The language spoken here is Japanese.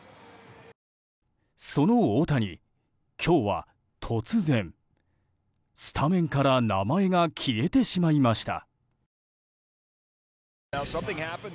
その大谷、今日は突然、スタメンから名前が消えてしまいました。